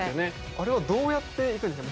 あれはどうやって行くんですか？